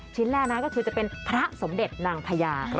แรกนะก็คือจะเป็นพระสมเด็จนางพญา